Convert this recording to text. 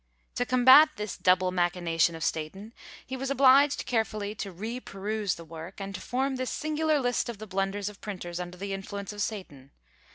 To combat this double machination of Satan he was obliged carefully to re peruse the work, and to form this singular list of the blunders of printers under the influence of Satan.